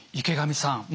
池上さん